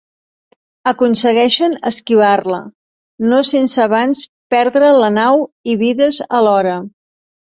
Aconsegueixen esquivar-la, no sense abans perdre la nau i vides alhora.